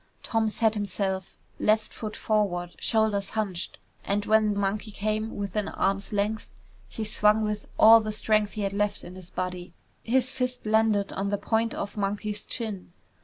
Tom set himself, left foot forward, shoulders hunched, and when Monkey came within arm's length, he swung with all the strength he had left in his body. His fist landed on the point of Monkey's chin.